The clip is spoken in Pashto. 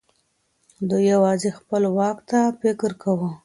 دوی يوازې خپل واک ته فکر کاوه.